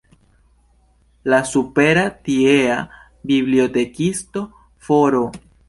La supera tiea bibliotekisto Fr.